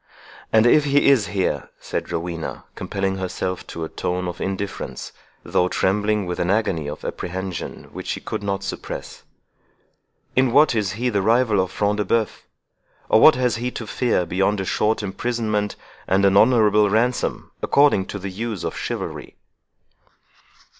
"And if he is here," said Rowena, compelling herself to a tone of indifference, though trembling with an agony of apprehension which she could not suppress, "in what is he the rival of Front de Bœuf? or what has he to fear beyond a short imprisonment, and an honourable ransom, according to the use of chivalry?"